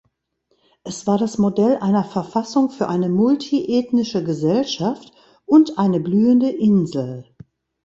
Es war das Modell einer Verfassung für eine multi-ethnische Gesellschaft und eine blühende Insel.